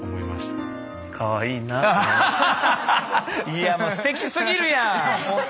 いやもうステキすぎるやん！